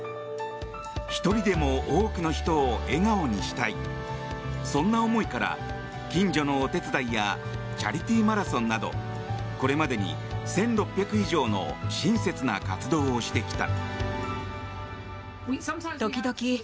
１人でも多くの人を笑顔にしたいそんな思いから近所のお手伝いやチャリティーマラソンなどこれまでに１６００以上の親切な活動をしてきた。